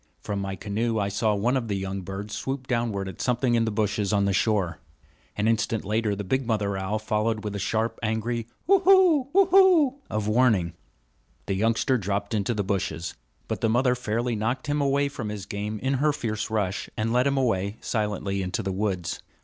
From my canoe I saw one of the young birds swoop downward at something in the bushes on the shore. An instant later the big mother owl followed with a sharp, angry hoo hoo hoo hoo! of warning. The youngster dropped into the bushes; but the mother fairly knocked him away from his game in her fierce rush, and led him away silently into the woods.